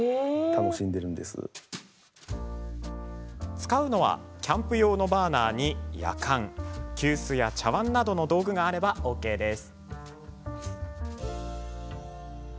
使うのはキャンプ用のバーナーに、やかん急須や茶わんなどの道具があればＯＫです。